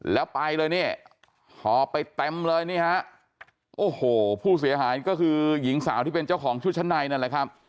แล้วไปเลยเนี่ยห่อไปเต็มเลยนี่ฮะโอ้โหผู้เสียหายก็คือหญิงสาวที่เป็นเจ้าของชุดชั้นในนั่นแหละครับ